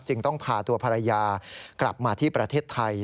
ต้องพาตัวภรรยากลับมาที่ประเทศไทย